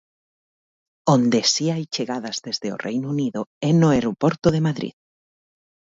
Onde si hai chegadas desde o Reino Unido é no aeroporto de Madrid.